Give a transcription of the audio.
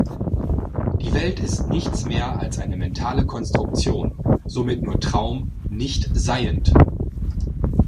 Die Welt ist nichts mehr als eine mentale Konstruktion, somit nur Traum, nicht seiend.